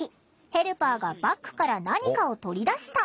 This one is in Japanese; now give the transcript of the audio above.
ヘルパーがバッグから何かを取り出した。